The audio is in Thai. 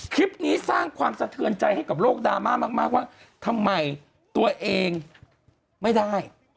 คลิปนี้สร้างความสะเทือนใจให้กับโลกดราม่ามากว่าทำไมตัวเองไม่ได้